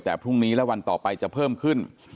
แต่พรุ่งนี้และวันต่อไปจะเพิ่มขึ้น